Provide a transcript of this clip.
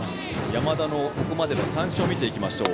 山田のここまでの三振を見ていきましょう。